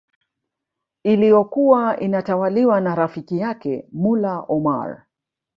iliyokuwa inatawaliwa na rafiki yake Mullah Omar